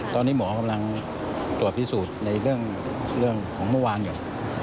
ตอนนี้หมอกำลังตรวจพิสูจน์ในเรื่องของเมื่อวานอยู่